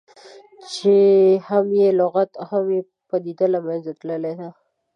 چې هم یې لغت او هم یې پدیده له منځه تللې ده.